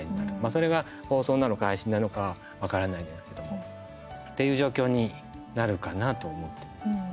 それが放送なのか配信なのかは分からないですけどもっていう状況になるかなと思っています。